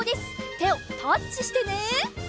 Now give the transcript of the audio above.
てをタッチしてね！